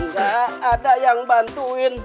gak ada yang bantuin